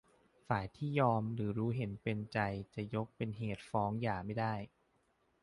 ฝ่ายที่ยินยอมหรือรู้เห็นเป็นใจจะยกเป็นเหตุฟ้องหย่าไม่ได้